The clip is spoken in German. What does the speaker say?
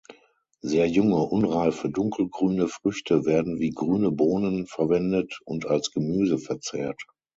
Sehr junge, unreife dunkelgrüne Früchte werden wie Grüne Bohnen verwendet und als Gemüse verzehrt.